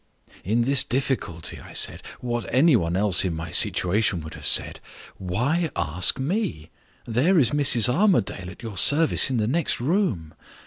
In this difficulty, I said, what any one else in my situation would have said: 'Why ask me? there is Mrs. Armadale at your service in the next room.